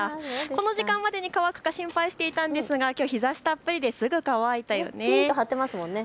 この時間までに乾くか心配していたんですが、日ざしたっぷりですぐ乾いたよね。